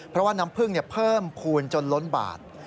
เพราะว่าน้ำพึ่งเพิ่มภูมิจนล้นบาท